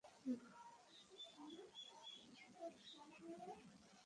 এটা সান্থানামকে প্রকাশ্যে দেখা যাওয়া একমাত্র সিসিটিভি ফুটেজ।